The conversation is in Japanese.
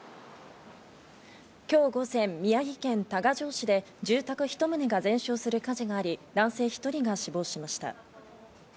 今日午前、宮城県多賀城市で住宅１棟が全焼する火事があり、男性１人が死亡しました。